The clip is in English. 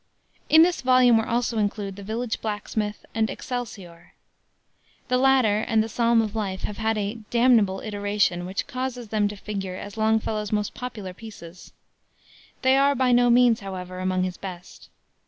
In this volume were also included the Village Blacksmith and Excelsior. The latter, and the Psalm of Life, have had a "damnable iteration" which causes them to figure as Longfellow's most popular pieces. They are by no means, however, among his best.